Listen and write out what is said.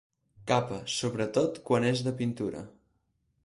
Capa, sobretot quan és de pintura.